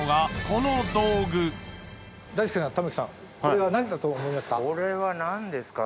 これは何だと思いますか？